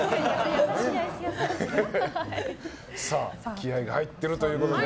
気合が入ってるということで。